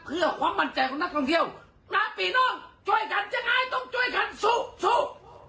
แล้วความบันใจของนักท่องเที่ยวน้าปีน้องช่วยกันยังไงต้องช่วยกันสู้สู้